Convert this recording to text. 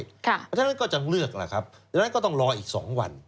เพราะฉะนั้นก็จะเลือกล่ะครับดังนั้นก็ต้องรออีก๒วัน